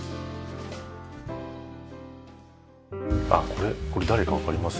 これこれ誰かわかります？